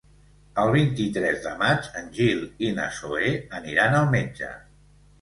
El vint-i-tres de maig en Gil i na Zoè aniran al metge.